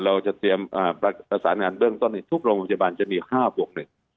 เราจะเตรียมประสานงานเบื้องต้นในทุกโรงพยาบาลจะมี๕บวกหนึ่ง